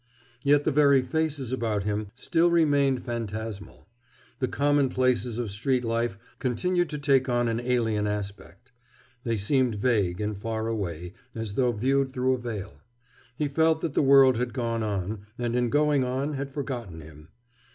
Yet the very faces about him still remained phantasmal. The commonplaces of street life continued to take on an alien aspect. They seemed vague and far away, as though viewed through a veil. He felt that the world had gone on, and in going on had forgotten him.